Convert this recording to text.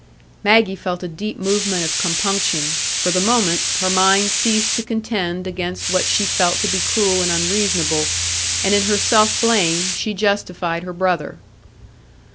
Maggie felt a deep movement of compunction; for the moment, her mind ceased to contend against what she felt to be cruel and unreasonable, and in her self blame she justified her brother.